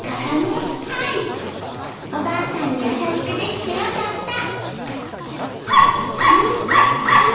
おばあさんに優しくできてよかったワンワン！